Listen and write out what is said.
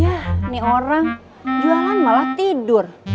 ya ini orang jualan malah tidur